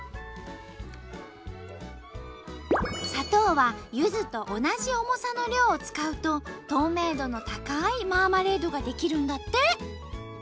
砂糖はゆずと同じ重さの量を使うと透明度の高いマーマレードが出来るんだって！